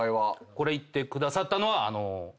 これ言ってくださったのは。